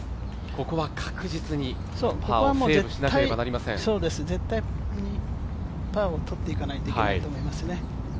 ここは絶対にパーをとっていかないといけないと思いますね。